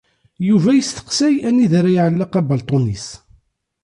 Yidir yesteqsay anida ara iɛelleq abalṭun-is.